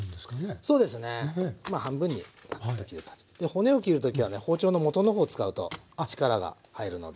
骨を切る時はね包丁の元の方を使うと力が入るので。